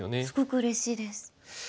すごくうれしいです。